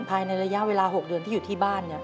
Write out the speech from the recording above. ภายในระยะเวลา๖เดือนที่อยู่ที่บ้าน